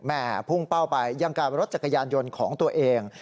พุ่งเป้าไปยังกับรถจักรยานยนต์ของตัวเอง